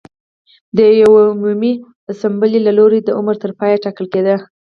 د یوې عمومي اسامبلې له لوري د عمر تر پایه ټاکل کېده